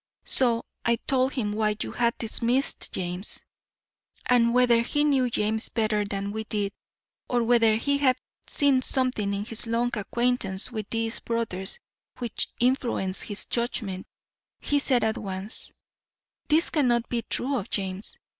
So I told him why you had dismissed James; and whether he knew James better than we did, or whether he had seen something in his long acquaintance with these brothers which influenced his judgment, he said at once: 'This cannot be true of James.